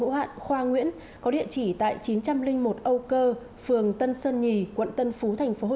hữu hạn khoa nguyễn có địa chỉ tại chín trăm linh một âu cơ phường tân sơn nhì quận tân phú thành phố hồ